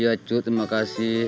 iya cu terima kasih